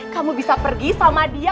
kamu bisa pergi sama dia